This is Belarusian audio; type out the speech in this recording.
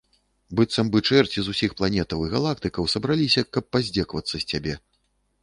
Быццам бы чэрці з усіх планетаў і галактыкаў сабраліся, каб паздзеквацца з цябе.